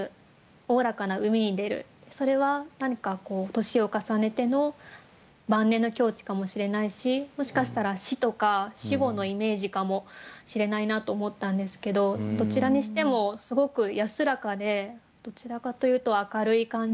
それは何かこう年を重ねての晩年の境地かもしれないしもしかしたら死とか死後のイメージかもしれないなと思ったんですけどどちらにしてもすごく安らかでどちらかというと明るい感じ。